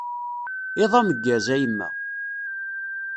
Iḍ ameggaz, a yemma.